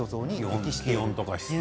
気温とか。